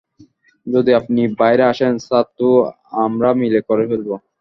যদি আপনি বাইরে আসেন, স্যার তো আমরা মিলে করে ফেলবো।